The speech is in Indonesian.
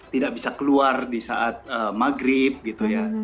tidak bisa keluar di saat maghrib gitu ya